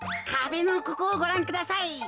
かべのここをごらんください。